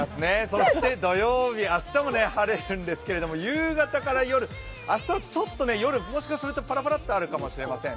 そして土曜日、明日も晴れるんですけれども夕方から夜、明日はちょっと夜、もしかするとパラパラっとあるかもしれません。